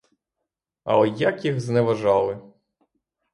Але як їх зневажали!